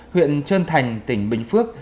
huyện trơn thành tỉnh bình phước